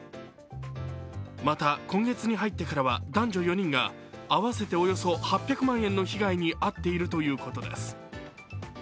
また、今月に入ってからは男女４人が合わせておよそ８００万円の被害に遭っているということです